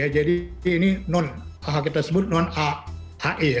jadi ini non apa yang kita sebut non a h e ya